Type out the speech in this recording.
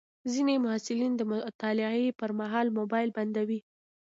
ځینې محصلین د مطالعې پر مهال موبایل بندوي.